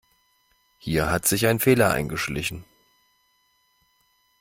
Hier hat sich ein Fehler eingeschlichen.